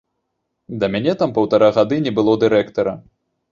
Да мяне там паўтара гады не было дырэктара.